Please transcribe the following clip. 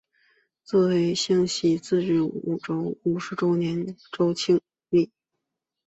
作为湘西自治州五十周年州庆献礼。